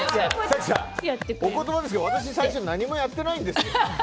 早紀さん、お言葉ですが、私最初、何もやってないんですよ。